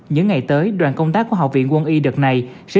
những ngày tới đoàn công tác của học viên quân y đã được góp một chút sức